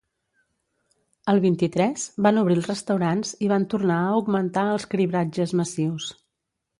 El vint-i-tres van obrir els restaurants i van tornar a augmentar els cribratges massius.